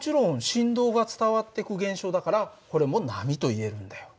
振動が伝わってく現象だからこれも波といえるんだよ。